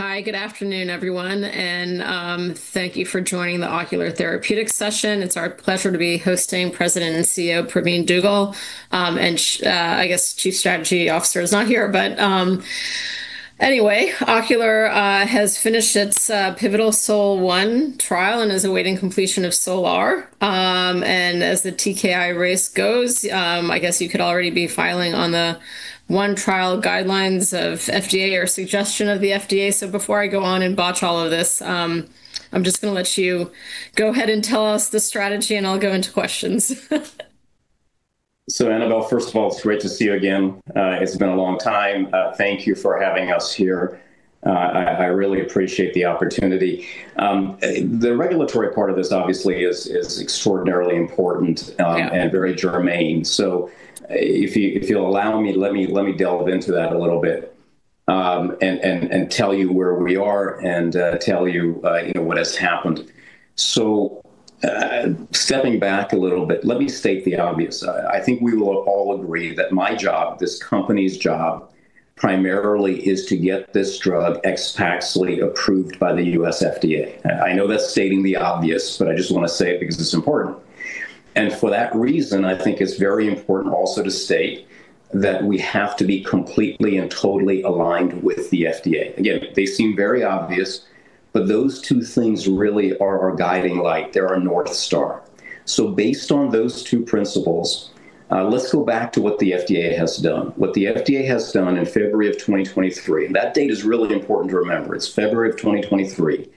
Hi, good afternoon, everyone, and thank you for joining the Ocular Therapeutix session. It's our pleasure to be hosting President and CEO, Pravin Dugel, and I guess Chief Strategy Officer is not here, but anyway, Ocular has finished its pivotal SOL-1 trial and is awaiting completion of SOL-R. As the TKI race goes, I guess you could already be filing on the one trial guidelines of FDA or suggestion of the FDA. Before I go on and botch all of this, I'm just going to let you go ahead and tell us the strategy, and I'll go into questions. Annabelle, first of all, it's great to see you again. It's been a long time. Thank you for having us here. I really appreciate the opportunity. The regulatory part of this obviously is extraordinarily important and very germane. If you'll allow me, let me delve into that a little bit and tell you where we are and tell you what has happened. Stepping back a little bit, let me state the obvious. I think we will all agree that my job, this company's job, primarily is to get this drug, AXPAXLI, approved by the U.S. FDA. I know that's stating the obvious, but I just want to say it because it's important. For that reason, I think it's very important also to state that we have to be completely and totally aligned with the FDA. They seem very obvious, but those two things really are our guiding light. They're our North Star. Based on those two principles, let's go back to what the FDA has done. What the FDA has done in February of 2023, that date is really important to remember. It's February of 2023.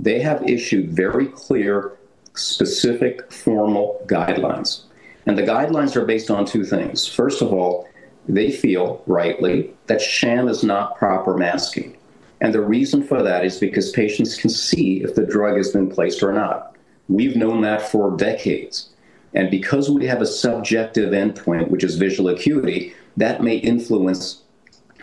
They have issued very clear, specific formal guidelines, the guidelines are based on two things. First of all, they feel rightly that sham is not proper masking. The reason for that is because patients can see if the drug has been placed or not. We've known that for decades. Because we have a subjective endpoint, which is visual acuity, that may influence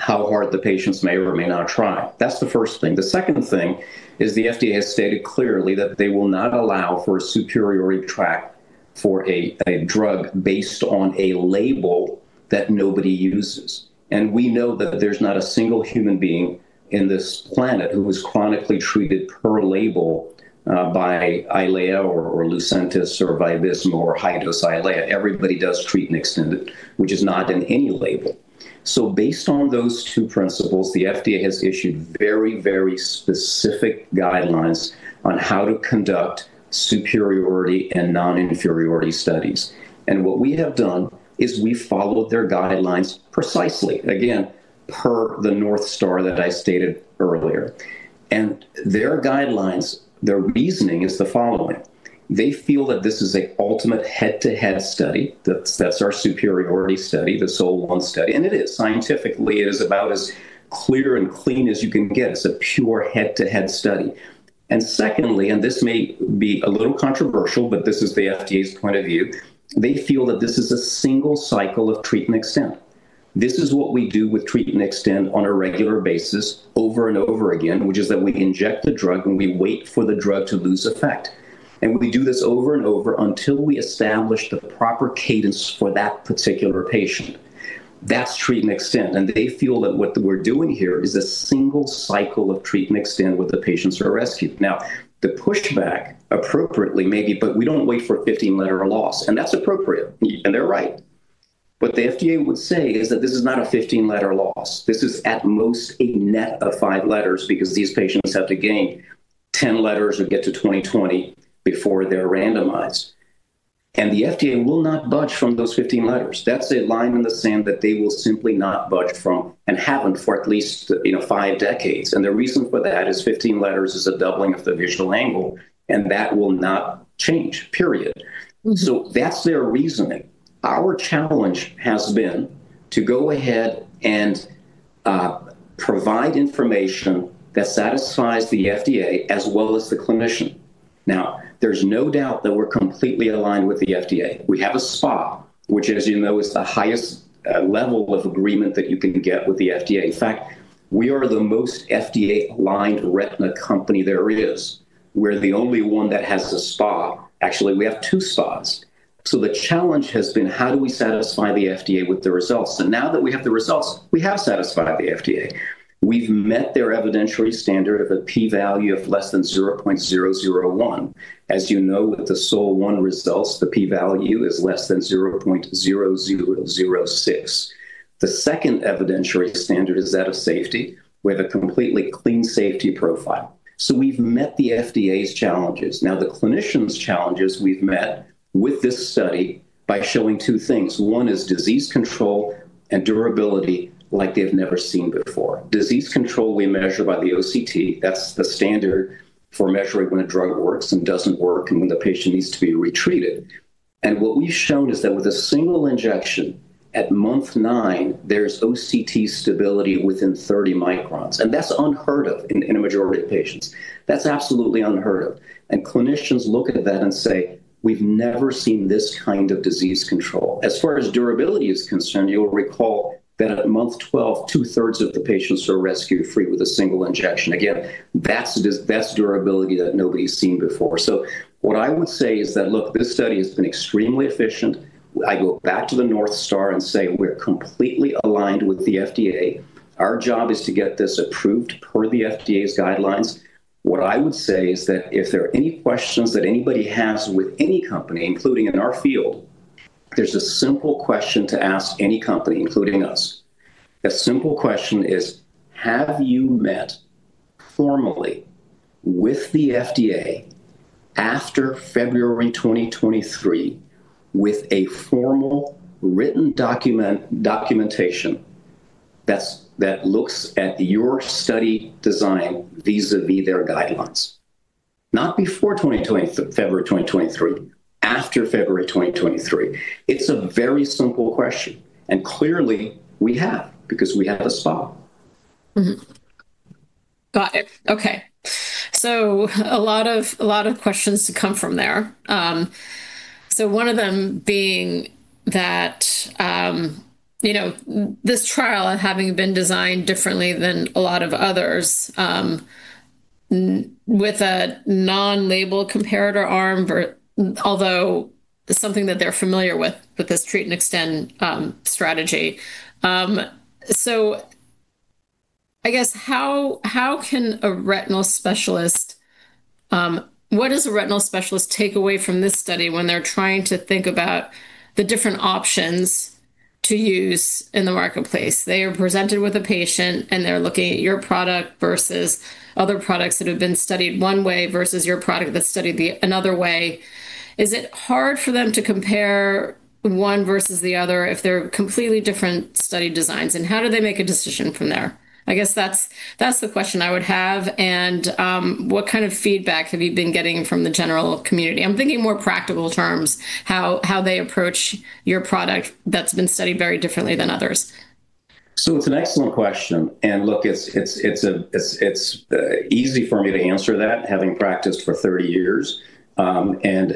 how hard the patients may or may not try. That's the first thing. The second thing is the FDA stated clearly that they will not allow for a superiority track for a drug based on a label that nobody uses. We know that there's not a single human being in this planet who is chronically treated per label by EYLEA or LUCENTIS or by Vabysmo or EYLEA HD. Everybody does treat and extend it, which is not in any label. Based on those two principles, the FDA has issued very specific guidelines on how to conduct superiority and non-inferiority studies. What we have done is we followed their guidelines precisely, again, per the North Star that I stated earlier. Their guidelines, their reasoning is the following. They feel that this is a ultimate head-to-head study. That's our superiority study, the SOL1 study. It is. Scientifically, it is about as clear and clean as you can get. It's a pure head-to-head study. Secondly, this may be a little controversial, but this is the FDA's point of view. They feel that this is a single cycle of treat and extend. This is what we do with treat and extend on a regular basis over and over again, which is that we inject the drug and we wait for the drug to lose effect. We do this over and over until we establish the proper cadence for that particular patient. That's treat and extend. They feel that what we're doing here is a single cycle of treat and extend where the patients are rescued. Now, the pushback appropriately may be, we don't wait for 15 letter loss, and that's appropriate, and they're right. What the FDA would say is that this is not a 15 letter loss. This is at most a net of five letters because these patients have to gain 10 letters or get to 20/20 before they're randomized. The FDA will not budge from those 15 letters. That's a line in the sand that they will simply not budge from and haven't for at least five decades. The reason for that is 15 letters is a doubling of the visual angle, and that will not change, period. That's their reasoning. Our challenge has been to go ahead and provide information that satisfies the FDA as well as the clinician. Now, there's no doubt that we're completely aligned with the FDA. We have a SPA, which as you know, is the highest level of agreement that you can get with the FDA. In fact, we are the most FDA-aligned retina company there is. We're the only one that has a SPA. Actually, we have two SPAs. The challenge has been how do we satisfy the FDA with the results? Now that we have the results, we have satisfied the FDA. We've met their evidentiary standard of a p-value of less than 0.001. As you know, with the SOL-1 results, the p-value is less than 0.0006. The second evidentiary standard is that of safety. We have a completely clean safety profile. We've met the FDA's challenges. Now, the clinician's challenges we've met with this study by showing two things. One is disease control and durability like they've never seen before. Disease control we measure by the OCT. That's the standard for measuring when a drug works and doesn't work and when the patient needs to be retreated. What we've shown is that with a single injection at month nine, there's OCT stability within 30 microns, and that's unheard of in a majority of patients. That's absolutely unheard of. Clinicians look at that and say, "We've never seen this kind of disease control." As far as durability is concerned, you'll recall that at month 12, 2/3 of the patients are rescue-free with a single injection. Again, that's the best durability that nobody's seen before. What I would say is that, look, this study has been extremely efficient. I go back to the North Star and say we are completely aligned with the FDA. Our job is to get this approved per the FDA's guidelines. What I would say is that if there are any questions that anybody has with any company, including in our field, there's a simple question to ask any company, including us. That simple question is: have you met formally with the FDA after February 2023 with a formal written documentation that looks at your study design vis-à-vis their guidelines? Not before February 2023, after February 2023. It's a very simple question, and clearly we have because we had a stop. Got it. Okay. A lot of questions to come from there. One of them being that this trial and having been designed differently than a lot of others with a non-label comparator arm, although something that they're familiar with this treat and extend strategy. I guess, what does a retinal specialist take away from this study when they're trying to think about the different options to use in the marketplace? They are presented with a patient, and they're looking at your product versus other products that have been studied one way versus your product that's studied another way. Is it hard for them to compare one versus the other if they're completely different study designs, and how do they make a decision from there? I guess that's the question I would have. What kind of feedback have you been getting from the general community? I'm thinking in more practical terms, how they approach your product that's been studied very differently than others. It's an excellent question. Look, it's easy for me to answer that having practiced for 30 years.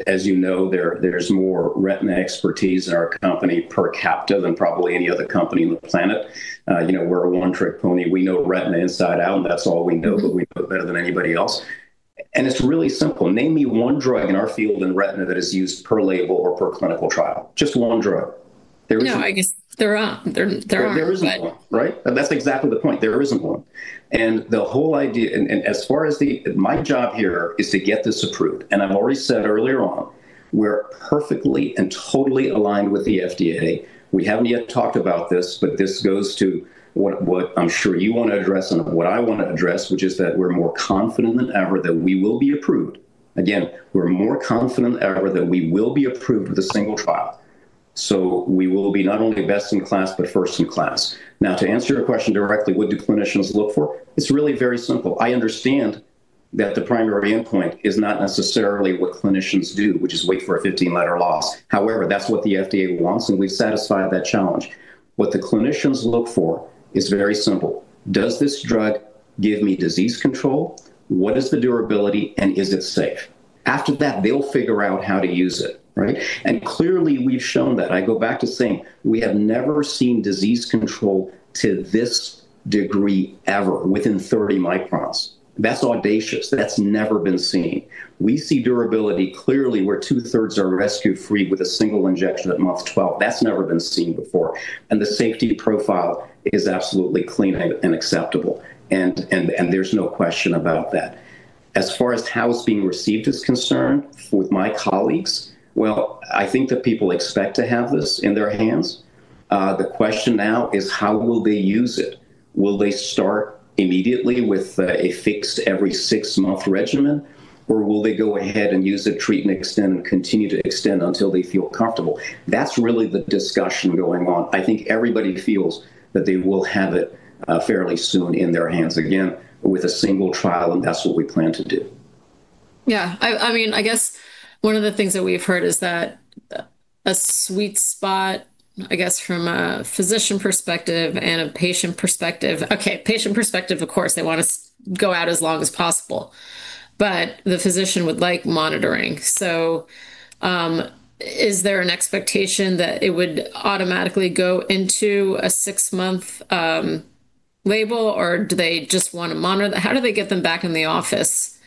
As you know, there's more retina expertise in our company per capita than probably any other company on the planet. We're a one-trick pony. We know retina inside out, and that's all we know, but we know it better than anybody else. It's really simple. Name me one drug in our field in retina that is used per label or per clinical trial. Just one drug. There isn't one. No, I guess they're all. There isn't one, right? That's exactly the point. There isn't one. The whole idea, and as far as my job here is to get this approved, and I've already said earlier on, we're perfectly and totally aligned with the FDA. We haven't yet talked about this, but this goes to what I'm sure you want to address and what I want to address, which is that we're more confident than ever that we will be approved. Again, we're more confident than ever that we will be approved with a single trial. We will be not only best in class, but first in class. Now, to answer your question directly, what do clinicians look for? It's really very simple. I understand that the primary endpoint is not necessarily what clinicians do, which is wait for a 15-letter loss. However, that's what the FDA wants, and we satisfy that challenge. What the clinicians look for is very simple. Does this drug give me disease control? What is the durability, and is it safe? After that, they'll figure out how to use it, right? Clearly, we've shown that. I go back to saying we have never seen disease control to this degree ever within 30 microns. That's audacious. That's never been seen. We see durability clearly where 2/3 are rescue-free with a single injection at month 12. That's never been seen before. The safety profile is absolutely clean and acceptable. There's no question about that. As far as how it's being received is concerned with my colleagues, well, I think that people expect to have this in their hands. The question now is how will they use it? Will they start immediately with a fixed every six-month regimen, or will they go ahead and use a treat and extend and continue to extend until they feel comfortable? That's really the discussion going on. I think everybody feels that they will have it fairly soon in their hands, again, with a single trial, and that's what we plan to do. Yeah. I guess one of the things that we've heard is that a sweet spot, I guess from a physician perspective and a patient perspective. Okay. Patient perspective, of course, they want to go out as long as possible. The physician would like monitoring. Is there an expectation that it would automatically go into a six-month label, or do they just want to monitor? How do they get them back in the office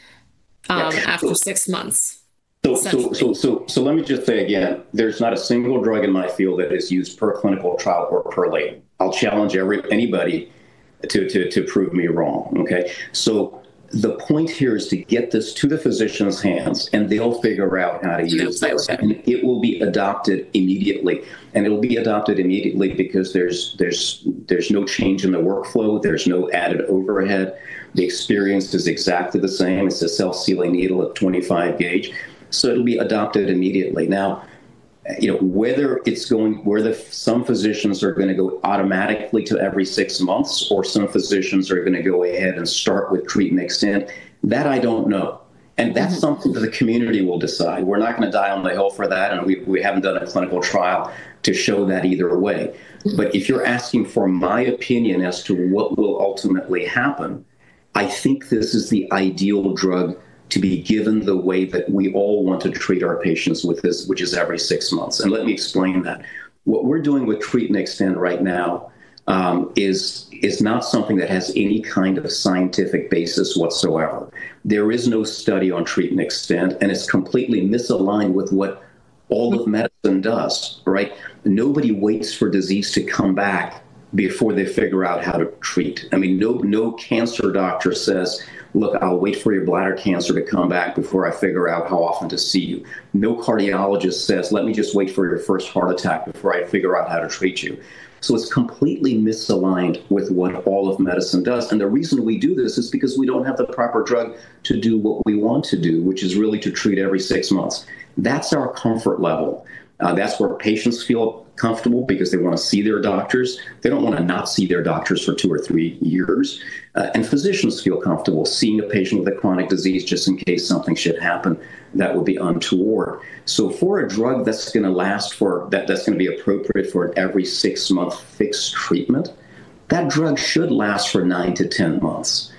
after six months? Let me just say again, there's not a single drug in my field that is used per clinical trial or per label. I'll challenge anybody to prove me wrong, okay? The point here is to get this to the physician's hands, and they'll figure out how to use it. It's going to start happening. It will be adopted immediately. It'll be adopted immediately because there's no change in the workflow. There's no added overhead. The experience is exactly the same. It's a self-sealing needle at 25 gauge. It'll be adopted immediately. Now, whether some physicians are going to go automatically to every six months or some physicians are going to go ahead and start with treat and extend, that I don't know. That's something that the community will decide. We're not going to die on the hill for that, and we haven't done a clinical trial to show that either way. If you're asking for my opinion as to what will ultimately happen, I think this is the ideal drug to be given the way that we all want to treat our patients with this, which is every six months. Let me explain that. What we're doing with treat and extend right now is not something that has any kind of a scientific basis whatsoever. There is no study on treat and extend, and it's completely misaligned with what all of medicine does. Nobody waits for disease to come back before they figure out how to treat. No cancer doctor says, "Look, I'll wait for your bladder cancer to come back before I figure out how often to see you." No cardiologist says, "Let me just wait for your first heart attack before I figure out how to treat you." It's completely misaligned with what all of medicine does. The reason we do this is because we don't have the proper drug to do what we want to do, which is really to treat every six months. That's our comfort level. That's where patients feel comfortable because they want to see their doctors. They don't want to not see their doctors for two or three years. Physicians feel comfortable seeing a patient with a chronic disease just in case something should happen that would be untoward. For a drug that's going to be appropriate for every six-month fixed treatment, that drug should last for 9-10 months.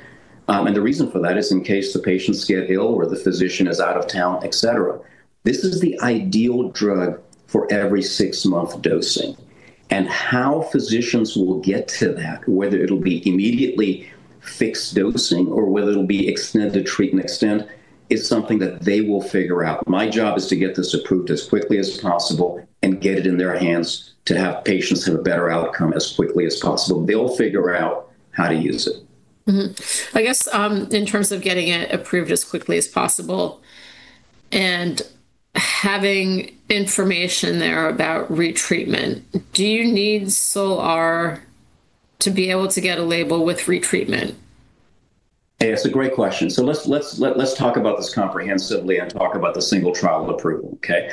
The reason for that is in case the patients get ill or the physician is out of town, et cetera. This is the ideal drug for every six-month dosing. How physicians will get to that, whether it'll be immediately fixed dosing or whether it'll be extended treatment stint, is something that they will figure out. My job is to get this approved as quickly as possible and get it in their hands to have patients have a better outcome as quickly as possible. They'll figure out how to use it. I guess, in terms of getting it approved as quickly as possible and having information there about retreatment, do you need SOL-R to be able to get a label with retreatment? Hey, that's a great question. Let's talk about this comprehensively and talk about the single trial approval, okay?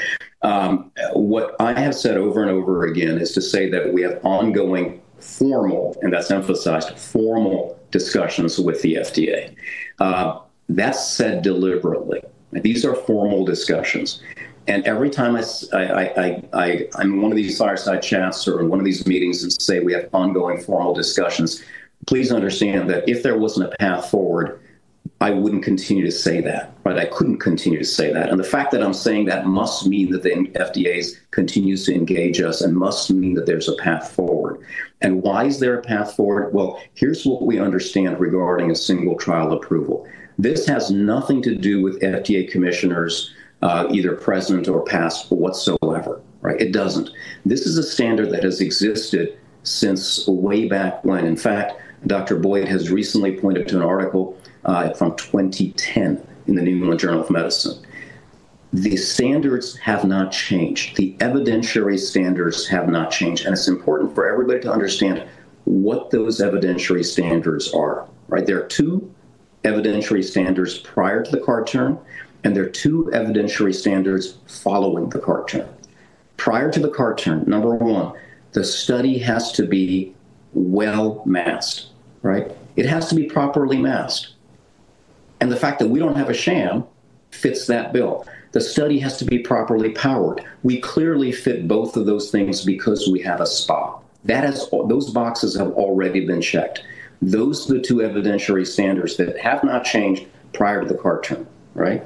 What I have said over and over again is to say that we have ongoing formal, and that's emphasized, formal discussions with the FDA. That's said deliberately. These are formal discussions. Every time I'm in one of these fireside chats or in one of these meetings that say we have ongoing formal discussions, please understand that if there wasn't a path forward, I wouldn't continue to say that, or I couldn't continue to say that. The fact that I'm saying that must mean that the FDA continues to engage us and must mean that there's a path forward. Why is there a path forward? Well, here's what we understand regarding a single trial approval. This has nothing to do with FDA commissioners, either present or past, whatsoever. It doesn't. This is a standard that has existed since way back when. In fact, Dr. Boyd has recently pointed to an article from 2010 in the "New England Journal of Medicine." The standards have not changed. The evidentiary standards have not changed, and it's important for everybody to understand what those evidentiary standards are. There are two evidentiary standards prior to the Kefauver-Harris, and there are two evidentiary standards following the Kefauver-Harris. Prior to the Kefauver-Harris, number one, the study has to be well masked. It has to be properly masked. The fact that we don't have a sham fits that bill. The study has to be properly powered. We clearly fit both of those things because we have a SPA. Those boxes have already been checked. Those are the two evidentiary standards that have not changed prior to the Kefauver-Harris.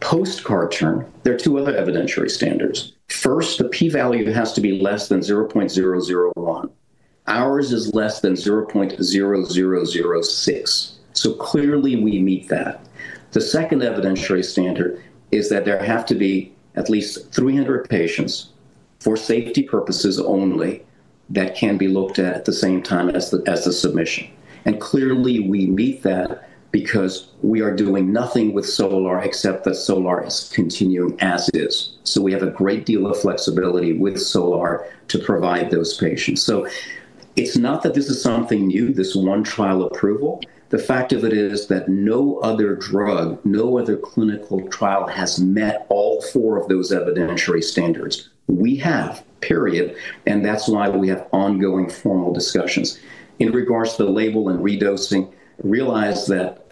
Post Kefauver-Harris, there are two other evidentiary standards. First, the P value has to be less than 0.001. Ours is less than 0.0006. Clearly we meet that. The second evidentiary standard is that there have to be at least 300 patients for safety purposes only that can be looked at at the same time as the submission. Clearly we meet that because we are doing nothing with SOL-R except that SOL-R is continuing as it is. We have a great deal of flexibility with SOL-R to provide those patients. It's not that this is something new, this one trial approval. The fact of it is that no other drug, no other clinical trial has met all four of those evidentiary standards. We have. That's why we have ongoing formal discussions. In regards to the label and redosing, realize that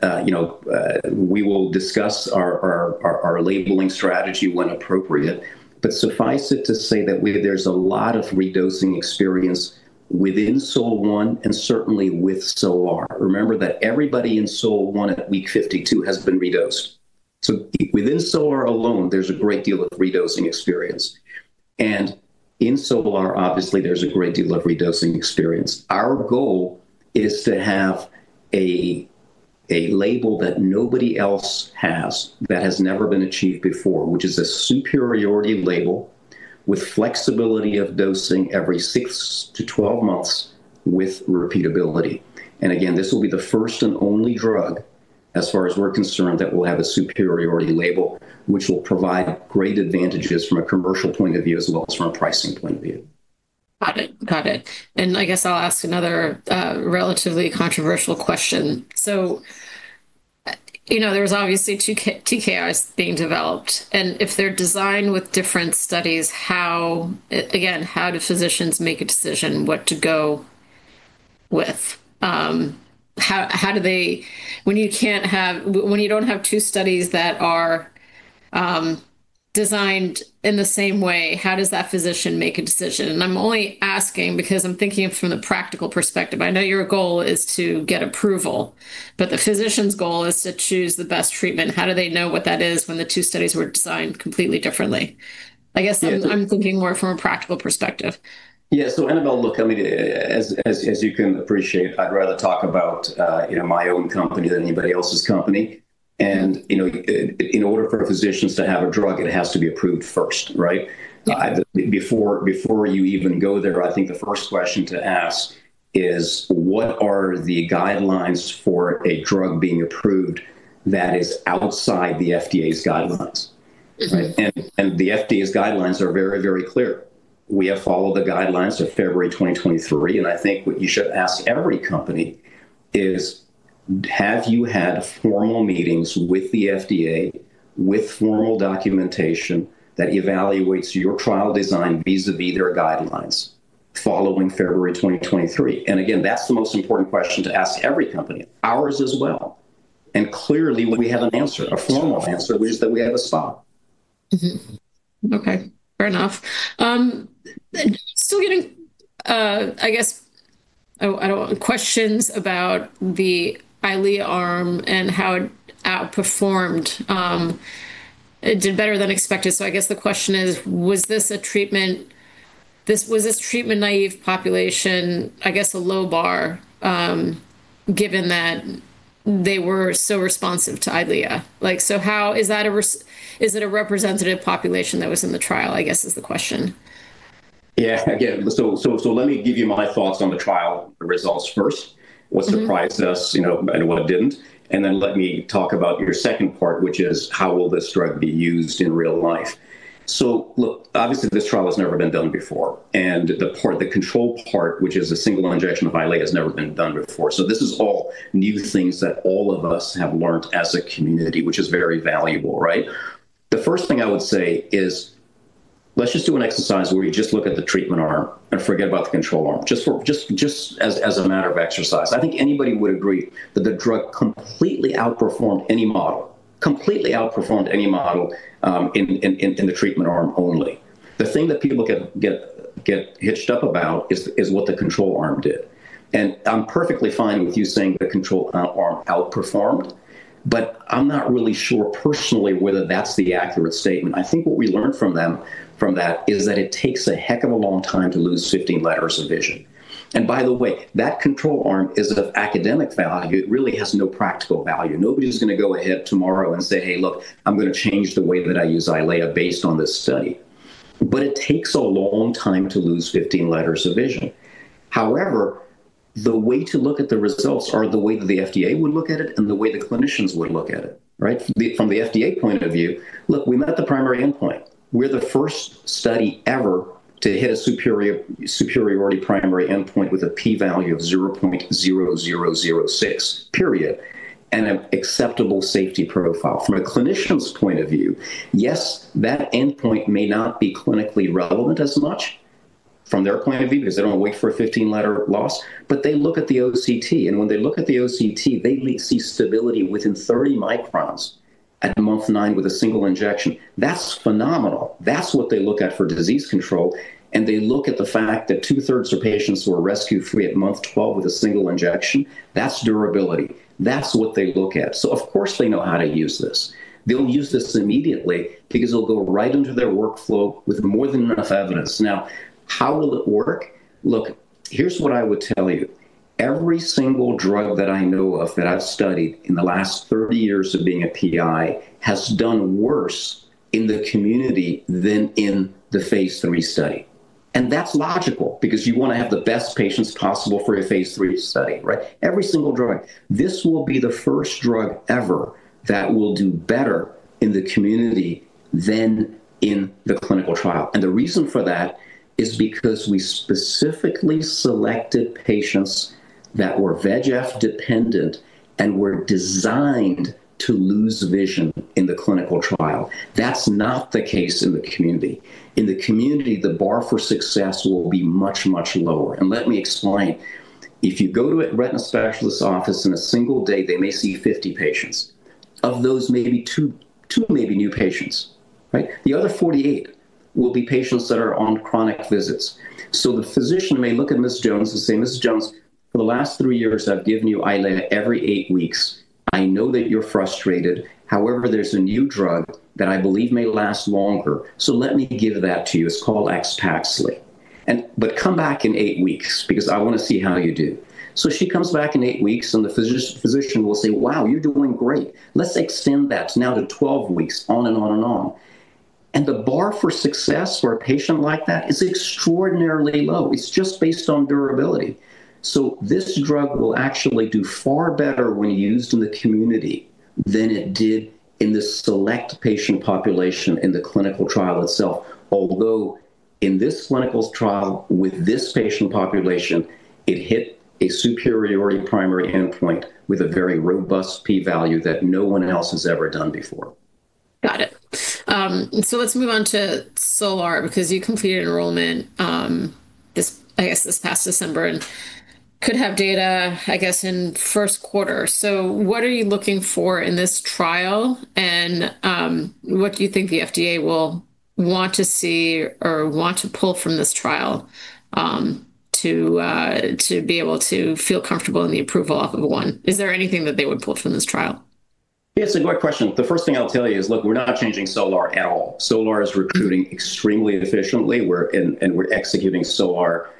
we will discuss our labeling strategy when appropriate, but suffice it to say that there's a lot of redosing experience within SOL-1 and certainly with SOL-R. Remember that everybody in SOL-1 at week 52 has been redosed. Within SOL-R alone, there's a great deal of redosing experience. In SOL-R, obviously, there's a great deal of redosing experience. Our goal is to have a label that nobody else has, that has never been achieved before, which is a superiority label with flexibility of dosing every 6-12 months with repeatability. Again, this will be the first and only drug, as far as we're concerned, that will have a superiority label, which will provide great advantages from a commercial point of view as well as from a pricing point of view. Got it. I guess I'll ask another relatively controversial question. There's obviously two TKIs being developed, and if they're designed with different studies, again, how do physicians make a decision what to go with? When you don't have two studies that are designed in the same way, how does that physician make a decision? I'm only asking because I'm thinking from the practical perspective. I know your goal is to get approval, but the physician's goal is to choose the best treatment. How do they know what that is when the two studies were designed completely differently? I guess I'm thinking more from a practical perspective. Yeah. Look, as you can appreciate, I'd rather talk about my own company than anybody else's company. In order for a physician to have a drug, it has to be approved first, right? Before you even go there, I think the first question to ask is: what are the guidelines for a drug being approved that is outside the FDA's guidelines? The FDA's guidelines are very clear. We have followed the guidelines of February 2023, and I think what you should ask every company is: have you had formal meetings with the FDA with formal documentation that evaluates your trial design vis-à-vis their guidelines following February 2023? Again, that's the most important question to ask every company, ours as well. Clearly, when we have an answer, a formal answer, it means that we have a spot. Okay. Fair enough. Getting, I guess, questions about the Eylea arm and how it outperformed. It did better than expected. I guess the question is: was this treatment-naive population, I guess, a low bar given that they were so responsive to Eylea? Is it a representative population that was in the trial, I guess, is the question. Yeah. Again, let me give you my thoughts on the trial results first. What surprised us and what didn't, let me talk about your second part, which is how will this drug be used in real life? Look, obviously, this trial has never been done before, and the control part, which is a single injection of EYLEA, has never been done before. This is all new things that all of us have learnt as a community, which is very valuable, right? The first thing I would say is let's just do an exercise where we just look at the treatment arm and forget about the control arm, just as a matter of exercise. I think anybody would agree that the drug completely outperformed any model in the treatment arm only. The thing that people get hitched up about is what the control arm did. I'm perfectly fine with you saying the control arm outperformed, but I'm not really sure personally whether that's the accurate statement. I think what we learned from that is that it takes a heck of a long time to lose 15 letters of vision. By the way, that control arm is of academic value. It really has no practical value. Nobody's going to go ahead tomorrow and say, "Hey, look, I'm going to change the way that I use EYLEA based on this study." It takes a long time to lose 15 letters of vision. However, the way to look at the results are the way that the FDA would look at it and the way the clinicians would look at it, right? From the FDA point of view, look, we met the primary endpoint. We're the first study ever to hit a superiority primary endpoint with a p-value of 0.0006, period, and an acceptable safety profile. From a clinician's point of view, yes, that endpoint may not be clinically relevant as much from their point of view because they don't wait for a 15 letter loss. They look at the OCT, and when they look at the OCT, they may see stability within 30 microns at month nine with a single injection. That's phenomenal. That's what they look at for disease control. They look at the fact that 2/3 of patients were rescue-free at month 12 with a single injection. That's durability. That's what they look at. Of course, they know how to use this. They'll use this immediately because it'll go right into their workflow with more than enough evidence. Now, how will it work? Look, here's what I would tell you. Every single drug that I know of that I've studied in the last 30 years of being a PI has done worse in the community than in the phase III study. That's logical because you want to have the best patients possible for a phase III study, right? Every single drug. This will be the first drug ever that will do better in the community than in the clinical trial. The reason for that is because we specifically selected patients that were VEGF-dependent and were designed to lose vision in the clinical trial. That's not the case in the community. In the community, the bar for success will be much, much lower. Let me explain. If you go to a retina specialist office in a single day, they may see 50 patients. Of those, maybe two may be new patients, right? The other 48 will be patients that are on chronic visits. The physician may look at Ms. Jones and say, "Ms. Jones, for the last three years, I've given you EYLEA every eight weeks. I know that you're frustrated. However, there's a new drug that I believe may last longer. Let me give that to you. It's called AXPAXLI. Come back in eight weeks because I want to see how you do." She comes back in eight weeks, and the physician will say, "Wow, you're doing great. Let's extend that to now to 12 weeks, on and on and on." The bar for success for a patient like that is extraordinarily low. It's just based on durability. This drug will actually do far better when used in the community than it did in the select patient population in the clinical trial itself. Although in this clinical trial with this patient population, it hit a superiority primary endpoint with a very robust p-value that no one else has ever done before. Got it. Let's move on to SOL-R because you completed enrollment, I guess, this past December and could have data, I guess, in the first quarter. What are you looking for in this trial, and what do you think the FDA will want to see or want to pull from this trial to be able to feel comfortable in the approval of one? Is there anything that they would pull from this trial? Yes, a great question. The first thing I'll tell you is, look, we're not changing SOL-R at all. SOL-R is recruiting extremely efficiently, and we're executing SOL-R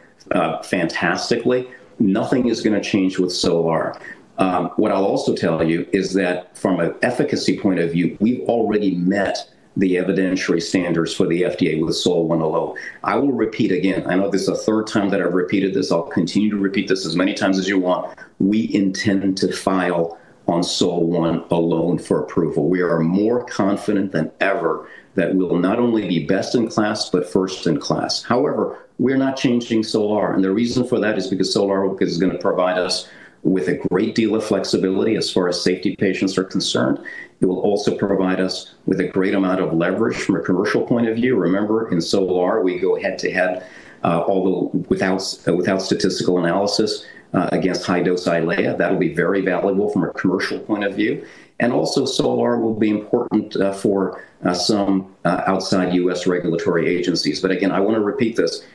fantastically. Nothing is going to change with SOL-R. What I'll also tell you is that from an efficacy point of view, we've already met the evidentiary standards for the FDA with SOL-1 alone. I will repeat again, I know this is the third time that I've repeated this, I'll continue to repeat this as many times as you want, we intend to file on SOL-1 alone for approval. We are more confident than ever that we will not only be best in class but first in class. However, we're not changing SOL-R. The reason for that is because SOL-R is going to provide us with a great deal of flexibility as far as safety patients are concerned. It will also provide us with a great amount of leverage from a commercial point of view. Remember, in SOL-R, we go head to head, although without statistical analysis, against EYLEA HD. That'll be very valuable from a commercial point of view. Also, SOL-R will be important for some outside U.S. regulatory agencies. Again, I want to repeat this,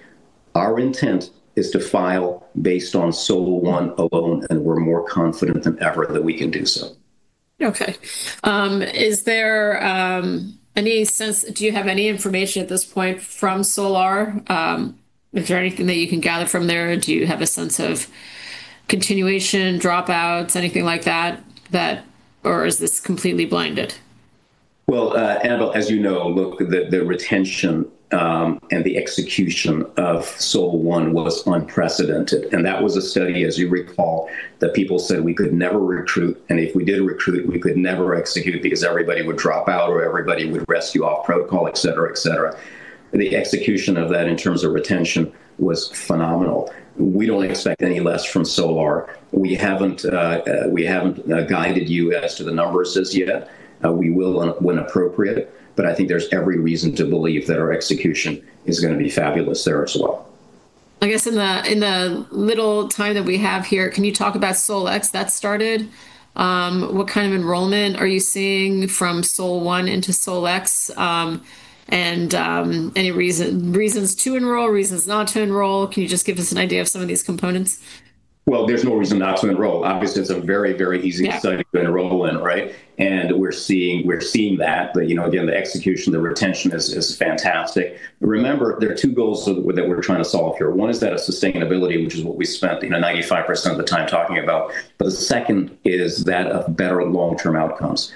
our intent is to file based on SOL-1 alone, and we're more confident than ever that we can do so. Okay. Do you have any information at this point from SOL-R? Is there anything that you can gather from there? Do you have a sense of continuation, dropouts, anything like that? Is this completely blinded? Well, Annabelle, as you know, look, the retention and the execution of SOL-1 was unprecedented. That was a study, as you recall, that people said we could never recruit, and if we did recruit, we could never execute because everybody would drop out or everybody would rescue off protocol, et cetera. The execution of that in terms of retention was phenomenal. We don't expect any less from SOL-R. We haven't guided you as to the numbers as yet. We will when appropriate. I think there's every reason to believe that our execution is going to be fabulous there as well. I guess in the little time that we have here, can you talk about SOL-X that started? What kind of enrollment are you seeing from SOL-1 into SOL-X? Any reasons to enroll, reasons not to enroll? Can you just give us an idea of some of these components? Well, there's no reason not to enroll. Obviously, it's a very easy study to enroll in, right? We're seeing that. Again, the execution, the retention is fantastic. Remember, there are two goals that we're trying to solve here. One is that of sustainability, which is what we spent 95% of the time talking about. The second is that of better long-term outcomes.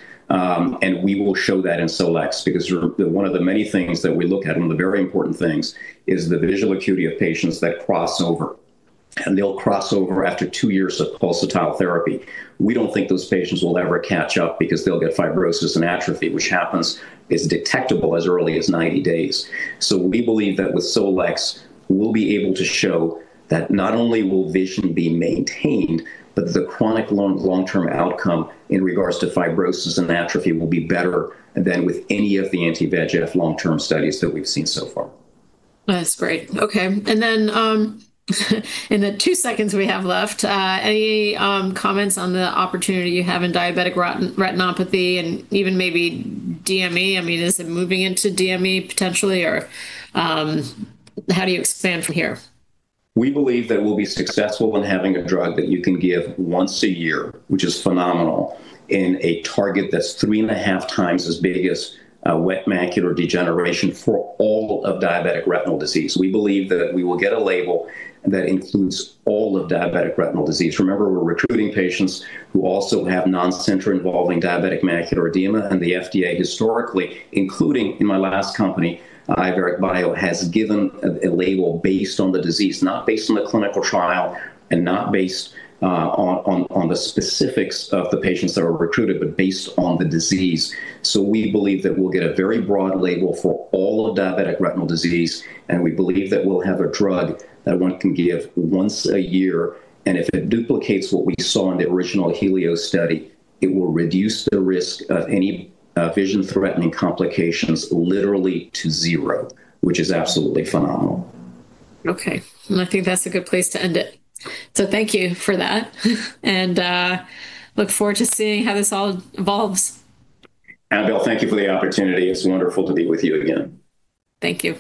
We will show that in SOL-X because one of the many things that we look at, and one of the very important things, is the visual acuity of patients that cross over. They'll cross over after two years of pulsatile therapy. We don't think those patients will ever catch up because they'll get fibrosis and atrophy, which happens, is detectable as early as 90 days. We believe that with SOL-X, we'll be able to show that not only will vision be maintained, but the chronic long-term outcome in regards to fibrosis and atrophy will be better than with any of the anti-VEGF long-term studies that we've seen so far. That's great. Okay. In the two seconds we have left, any comments on the opportunity you have in diabetic retinopathy and even maybe DME? Is it moving into DME potentially or how do you expand from here? We believe that we'll be successful in having a drug that you can give once a year, which is phenomenal, in a target that's three and a half times as big as wet macular degeneration for all of diabetic retinal disease. We believe that we will get a label that includes all of diabetic retinal disease. Remember, we're recruiting patients who also have non-center involving diabetic macular edema. The FDA historically, including in my last company, Iveric Bio, has given a label based on the disease, not based on a clinical trial and not based on the specifics of the patients that are recruited, but based on the disease. We believe that we'll get a very broad label for all of diabetic retinal disease, and we believe that we'll have a drug that one can give once a year. If it duplicates what we saw in the original HELIOS study, it will reduce the risk of any vision-threatening complications literally to zero, which is absolutely phenomenal. Okay. I think that's a good place to end it. Thank you for that and look forward to seeing how this all evolves. Annabelle, thank you for the opportunity. It's wonderful to be with you again. Thank you.